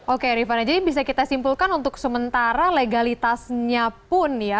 oke rifana jadi bisa kita simpulkan untuk sementara legalitasnya pun ya